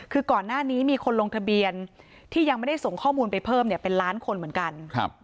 คือก่อนหน้านี้มีคนลงทะเบียนที่ยังไม่ได้ส่งข้อมูลไปเพิ่มเนี่ยเป็นล้านคนเหมือนกัน